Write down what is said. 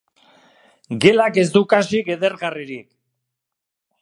Gelak ez du kasik edergarririk.